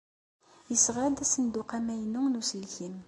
Yesɣa-d asenduq amaynu n uselkim.